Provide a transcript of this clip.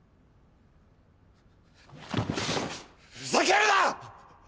ふざけるな！！